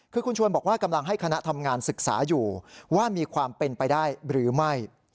คือคุณชวนบอกว่ากำลังให้คณะทำงานศึกษาอยู่ว่ามีความเป็นไปได้หรือไม่